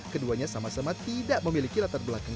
keduanya sama sama tidak memiliki latar belakang